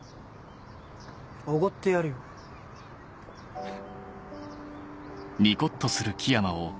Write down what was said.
おごってやるよフフっ。